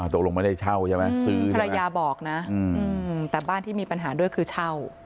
ตกลงไม่ได้เช่าใช่ไหมซื้อภรรยาบอกนะแต่บ้านที่มีปัญหาด้วยคือเช่า